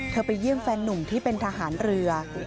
ไปเยี่ยมแฟนนุ่มที่เป็นทหารเรือ